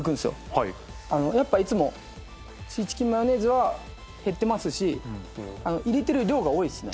はいやっぱいつもシーチキンマヨネーズは減ってますし入れてる量が多いですね